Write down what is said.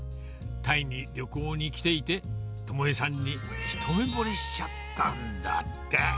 タイに旅行に来ていて、知枝さんに一目ぼれしちゃったんだって。